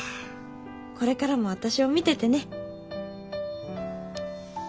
これからも私を見ててね。